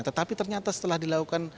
tetapi ternyata setelah dilakukan